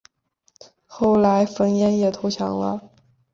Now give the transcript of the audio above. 后来冯衍也投降了。